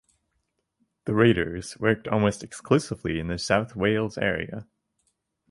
The Raiders worked almost exclusively in the South Wales area.